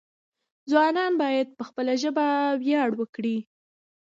ځوانان باید په خپله ژبه ویاړ وکړي.